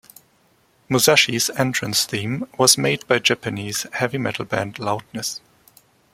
Musashi's entrance theme was made by Japanese heavy metal band Loudness.